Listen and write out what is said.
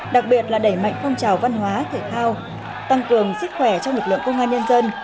đặc biệt là đẩy mạnh phong trào văn hóa thể thao tăng cường sức khỏe cho lực lượng công an nhân dân